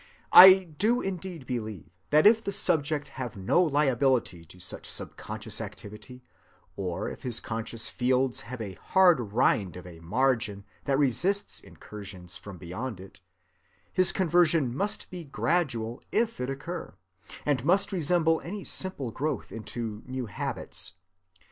I do indeed believe that if the Subject have no liability to such subconscious activity, or if his conscious fields have a hard rind of a margin that resists incursions from beyond it, his conversion must be gradual if it occur, and must resemble any simple growth into new habits.